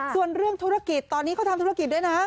ส่วนเรื่องธุรกิจตอนนี้เขาทำธุรกิจด้วยนะ